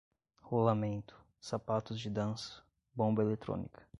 rolamento, sapatos de dança, bomba eletrônica